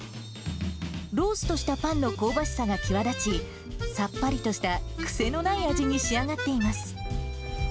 ローストしたパンの香ばしさが際立ち、さっぱりとした癖のない味に仕上がっています。